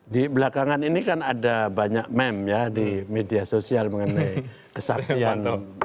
di belakangan ini kan ada banyak meme ya di media sosial mengenai kesaktian